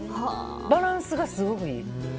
バランスがすごくいい。